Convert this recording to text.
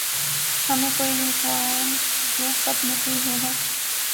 ہمیں کوئی لی کوآن یو کب نصیب ہوگا؟